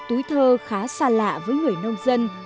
tứ thơ khá xa lạ với người nông dân